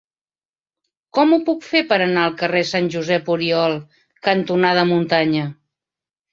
Com ho puc fer per anar al carrer Sant Josep Oriol cantonada Muntanya?